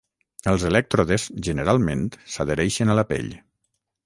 Els elèctrodes generalment s'adhereixen a la pell.